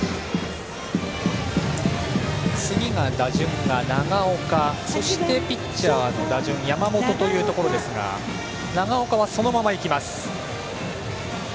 次が打順が長岡そしてピッチャーの打順山本というところですが長岡はそのまま行きます。